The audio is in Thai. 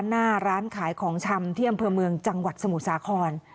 หน้าร้านขายของชำที่อำเภอเมืองจังหวัดสมุทรสาคร